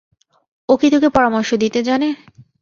ও কি তোকে পরামর্শ দিতে জানে?